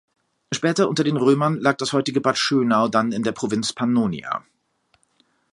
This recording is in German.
Später unter den Römern lag das heutige Bad Schönau dann in der Provinz Pannonia.